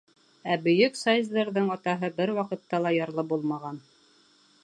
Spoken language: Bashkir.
— Ә бөйөк Сайзлерҙың атаһы бер ваҡытта ла ярлы булмаған.